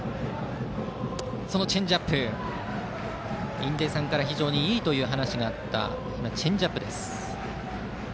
印出さんからいいという話があったチェンジアップを投げました。